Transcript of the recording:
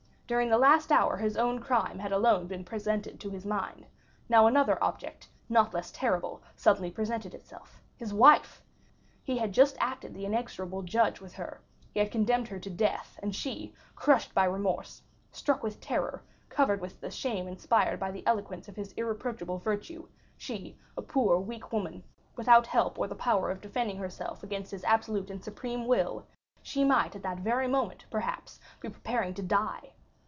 During the last hour his own crime had alone been presented to his mind; now another object, not less terrible, suddenly presented itself. His wife! He had just acted the inexorable judge with her, he had condemned her to death, and she, crushed by remorse, struck with terror, covered with the shame inspired by the eloquence of his irreproachable virtue,—she, a poor, weak woman, without help or the power of defending herself against his absolute and supreme will,—she might at that very moment, perhaps, be preparing to die!